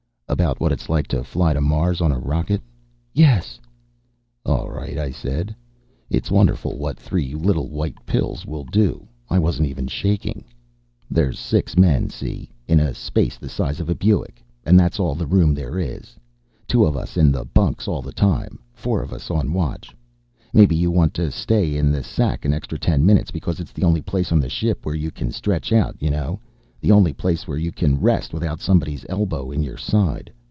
"About what it's like to fly to Mars on a rocket?" "Yes!" "All right," I said. It's wonderful what three little white pills will do. I wasn't even shaking. "There's six men, see? In a space the size of a Buick, and that's all the room there is. Two of us in the bunks all the time, four of us on watch. Maybe you want to stay in the sack an extra ten minutes because it's the only place on the ship where you can stretch out, you know, the only place where you can rest without somebody's elbow in your side.